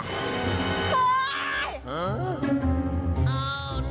เฮ้ย